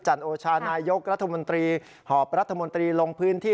จันทร์โอชาณายกรัฐมนตรีหอพรัศนาลงพื้นที่